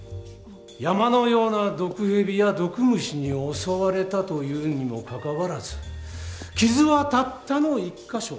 山のような毒蛇や毒虫に襲われたというにもかかわらず傷はたったの一か所。